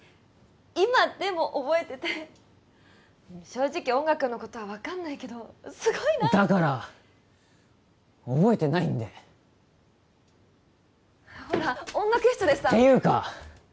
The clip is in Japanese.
今でも覚えてて正直音楽のことは分かんないけどすごいなってだからっ覚えてないんでほら音楽室でさていうか！